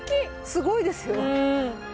すごいですよ。